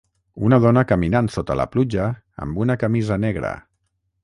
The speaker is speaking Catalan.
Una dona caminant sota la pluja, amb una camisa negra.